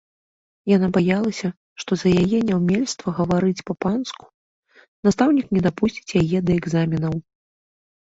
Яна баялася, што за яе няўмельства гаварыць па-панску настаўнік не дапусціць яе да экзаменаў.